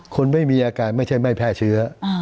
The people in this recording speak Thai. คนไม่มีอาการไม่ใช่ไม่แพร่เชื้อ